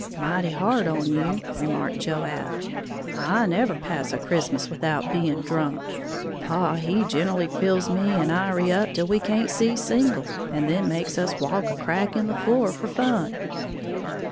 "Mighty hard on you," remarked Joab; "I never pass a Christmas without being drunk, paw he gen'ally fills me'n Iry up till we can't see single, and then makes us walk a crack in the floor, for fun."